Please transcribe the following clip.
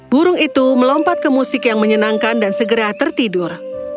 burung itu melompat ke musik yang menyenangkan dan segera tertidur